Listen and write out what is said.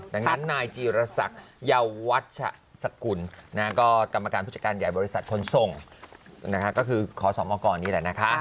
ดังนั้นนายจีรศักดิ์เยาวัชสกุลก็กรรมการผู้จัดการใหญ่บริษัทขนส่งก็คือขอสมกรนี่แหละนะคะ